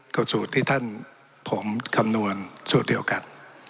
ก็สูตรที่ท่านผมคำนวณสูตรเดียวกัน